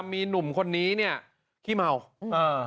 มีหนุ่มคนนี้เนี่ยขี้เมาเออ